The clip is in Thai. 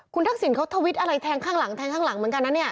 คุณทักษิณเขาทวิตอะไรแทงข้างหลังแทงข้างหลังเหมือนกันนะเนี่ย